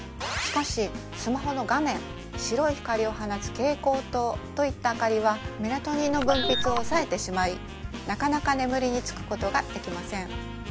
しかしスマホの画面白い光を放つ蛍光灯といった明かりはメラトニンの分泌を抑えてしまいなかなか眠りにつくことができません